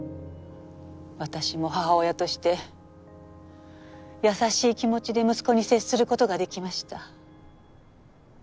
私も母親として優しい気持ちで息子に接する事ができました。